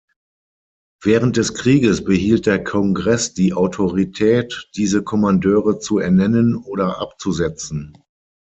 Während des Krieges behielt der Kongress die Autorität, diese Kommandeure zu ernennen oder abzusetzen.